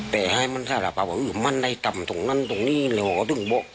เตะให้มันทราบว่ามันได้ตำตรงนั้นตรงนี้หรือว่าตึงบก